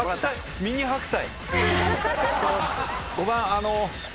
ミニ白菜。